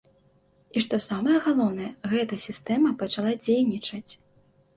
І, што самае галоўнае, гэта сістэма пачала дзейнічаць!